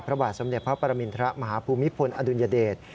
พระบาทสมเด็จพระปรมินทรมาฮภูมิพลอดุลยเดช